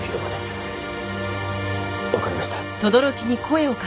わかりました。